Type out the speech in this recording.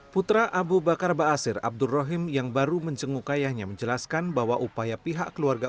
putra abu bakar basir abdurrahim yang baru menjenguk ayahnya menjelaskan bahwa upaya pihak keluarga